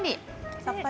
さっぱり。